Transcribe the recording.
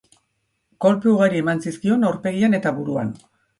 Kolpe ugari eman zizkion aurpegian eta buruan.